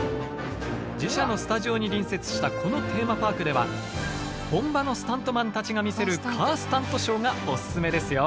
自社のスタジオに隣接したこのテーマパークでは本場のスタントマンたちが見せるカースタントショーがオススメですよ。